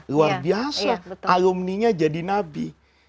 luar biasa alumninya jadi nabi